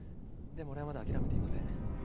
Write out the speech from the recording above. でも俺はまだ諦めていません